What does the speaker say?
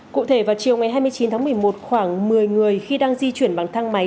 cụ thể vào chiều ngày hai mươi chín tháng một mươi một khoảng một mươi người khi đang di chuyển bằng thang máy